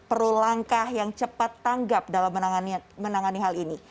perlu langkah yang cepat tanggap dalam menangani hal ini